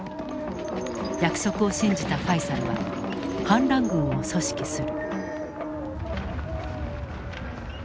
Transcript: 約束を信じたファイサルは反乱軍を組織する。